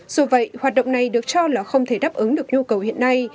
dù vậy hoạt động này được cho là không thể đáp ứng được nhu cầu hiện nay